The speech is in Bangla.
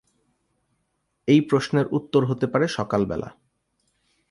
এই প্রশ্নের উত্তর হতে পারে সকালবেলা।